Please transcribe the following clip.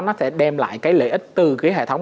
nó sẽ đem lại cái lợi ích từ cái hệ thống